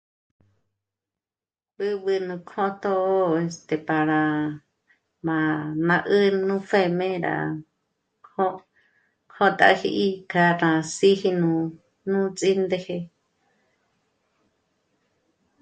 B'ǚb'ü nú kjṓtjō este para... m'a 'ä́'ä nú pjèm'e rá kjó... kjótaji k'a rá síji nú ts'índeje